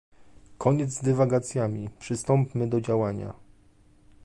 Koniec z dywagacjami, przystąpmy do działania